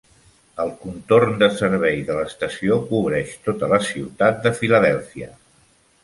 El contorn de servei de l'estació cobreix tota la ciutat de Filadèlfia.